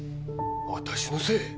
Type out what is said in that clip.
私のせい？